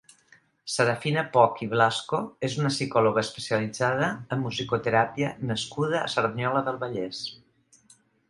Serafina Poch i Blasco és una psicòloga especialitzada en musicoteràpia nascuda a Cerdanyola del Vallès.